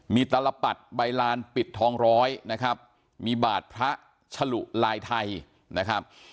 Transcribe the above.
มีตลปัดใบลานปิดทองร้อยนะครับมีบาทพระฉลุลายไทยนะครับ